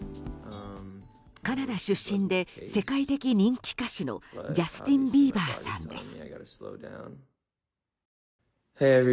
カナダ出身で世界的人気歌手のジャスティン・ビーバーさんです。